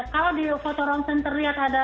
kalau di foto ronsen terlihat ada